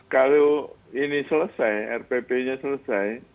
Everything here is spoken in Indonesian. kalau ini selesai rpp nya selesai